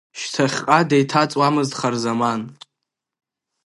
Шьҭахьҟа деиҭаҵуамызт Харзаман.